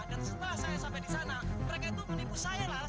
dan setelah saya sampai di sana mereka itu menipu saya laras